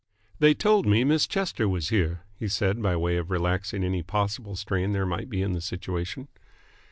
"They told me Miss Chester was here," he said by way of relaxing any possible strain there might be in the situation.